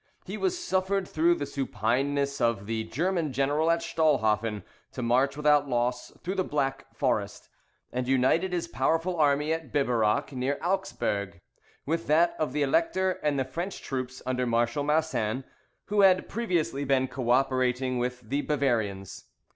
He was suffered through the supineness of the German general at Stollhoffen, to march without loss through the Black Forest, and united his powerful army at Biberach near Augsburg, with that of the Elector and the French troops under Marshal Marsin, who had previously been co operating with the Bavarians.